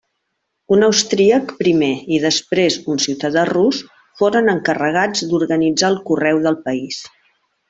Un austríac primer i després un ciutadà rus foren encarregats d'organitzar el correu del país.